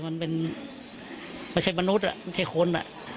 ไม่ใช่มนุษย์ไม่ใช่คน